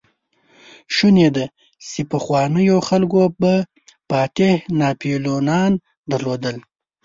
شونې ده، چې پخوانيو خلکو به فاتح ناپليونان درلودل.